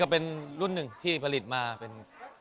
เป็นรุ่นหนึ่งที่ผลิตมาเป็น